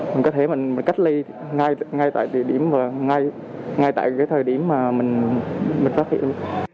mình có thể mình cách ly ngay tại thời điểm mà mình phát hiện